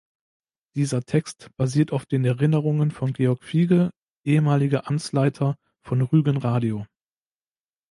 Dieser Text basiert auf den Erinnerungen von Georg Fiege, ehemaliger Amtsleiter von Rügen-Radio.